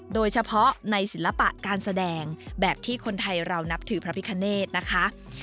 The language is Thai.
โดยเฉพาะในศิลปะการแสดงแบบที่คนไทยเรานับถือพระพิคเนธนะคะ